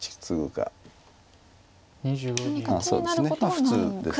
普通です。